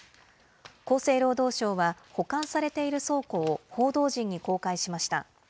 厚生労働省は、保管されている倉庫を報道陣に公開しました。